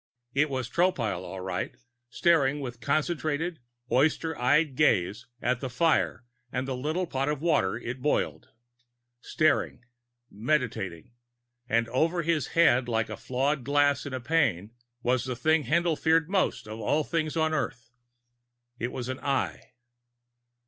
It was Tropile, all right, staring with concentrated, oyster eyed gaze at the fire and the little pot of water it boiled. Staring. Meditating. And over his head, like flawed glass in a pane, was the thing Haendl feared most of all things on Earth. It was an Eye.